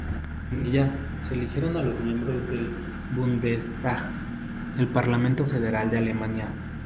En ellas, se eligieron a los miembros del "Bundestag", el parlamento federal de Alemania.